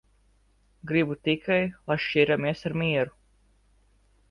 Gribu tikai, lai šķiramies ar mieru.